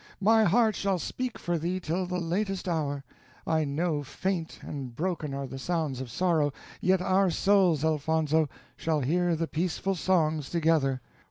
My heart shall speak for thee till the latest hour; I know faint and broken are the sounds of sorrow, yet our souls, Elfonzo, shall hear the peaceful songs together.